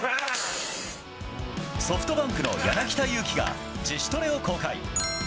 ソフトバンクの柳田悠岐が自主トレを公開。